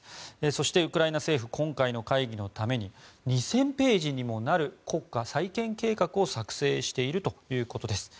そして、ウクライナ政府今回の会議のために２０００ページにもなる国家再建計画を作成しているということです。